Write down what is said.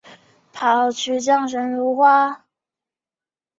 皇太极还吸收了明朝的科举制度。